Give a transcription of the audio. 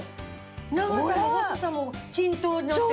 長さも細さも均等になってる。